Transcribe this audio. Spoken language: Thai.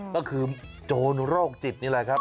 ก็คือโจรโรคจิตนี่แหละครับ